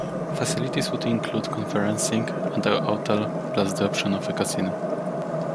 Facilities would include conferencing and a hotel plus the option of a casino.